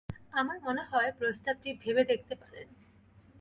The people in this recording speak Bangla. আমার মনে হয় প্রস্তাবটি ভেবে দেখতে পারেন।